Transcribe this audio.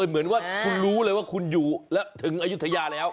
เหมือนว่าคุณรู้เลยว่าคุณอยู่แล้วถึงอายุทยาแล้ว